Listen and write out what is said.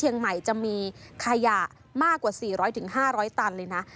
เชียงใหม่จะมีขยะมากกว่า๔๐๐๕๐๐ตันเลยนะ